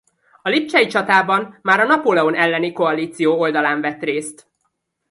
A lipcsei csatában már a Napóleon elleni koalíció oldalán vett részt.